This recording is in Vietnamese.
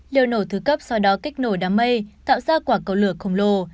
liều nổ thứ cấp sau đó kích nổ đám mây tạo ra quả cầu lửa khổng lồ